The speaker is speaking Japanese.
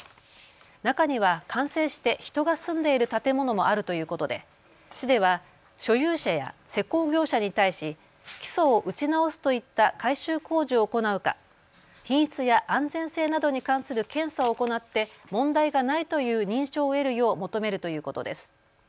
中には完成して人が住んでいる建物もあるということで市では所有者や施工業者に対し基礎を打ち直すといった改修工事を行うか、品質や安全性などに関する検査を行って問題がないという認証を得るよう求めるということです。